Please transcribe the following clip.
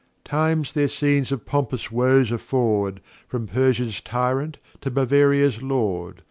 ] All[k] Times their Scenes of pompous Woes afford, From Persia's Tyrant to Bavaria's Lord.